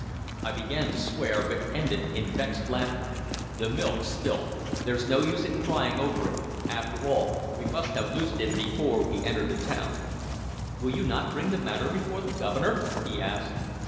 I began to swear, but ended in vexed laughter. "The milk's spilt. There 's no use in crying over it. After all, we must have loosed him before we entered the town." "Will you not bring the matter before the Governor?" he asked.